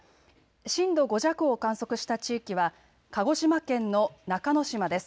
震度５弱を観測した地域は鹿児島県の中之島です。